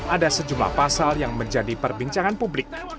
ada sejumlah pasal yang menjadi perbincangan publik